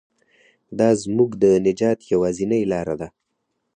دا زموږ د نجات یوازینۍ لاره ده.